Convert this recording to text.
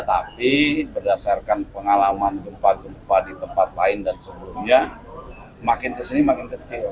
tapi berdasarkan pengalaman gempa gempa di tempat lain dan sebelumnya makin kesini makin kecil